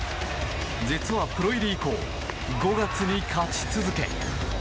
実は、プロ入り以降５月に勝ち続け